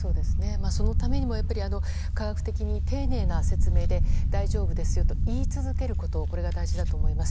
そのためにも科学的に丁寧な説明で大丈夫ですよと言い続けることが大事だと思います。